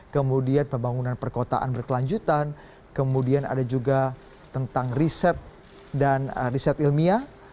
kemudian pembangunan perkotaan berkelanjutan kemudian ada juga tentang riset dan riset ilmiah